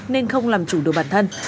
nên không làm chủ đồ bản thân